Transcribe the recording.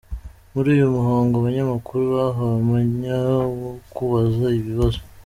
Muri uyu muhango, abanyamakuru bahawe umwanya wo kubaza ibibazo.